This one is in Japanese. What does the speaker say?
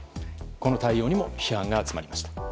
この対応にも批判が集まりました。